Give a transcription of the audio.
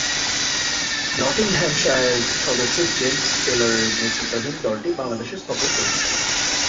নটিংহ্যামশায়ারের সদস্য জেমস টেলরের নেতৃত্বাধীন দলটি বাংলাদেশ সফর করেছিল।